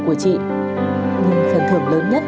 của chị nhưng phần thưởng lớn nhất